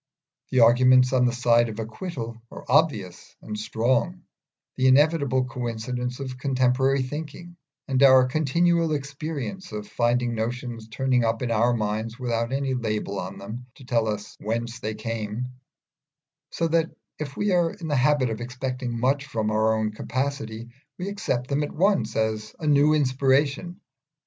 The arguments on the side of acquittal are obvious and strong: the inevitable coincidences of contemporary thinking; and our continual experience of finding notions turning up in our minds without any label on them to tell us whence they came; so that if we are in the habit of expecting much from our own capacity we accept them at once as a new inspiration.